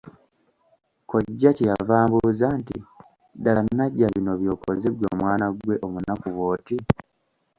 Kkojja kye yava ambuuza nti; "ddala Najja bino by'okoze ggwe mwana ggwe omunaku bw'oti?"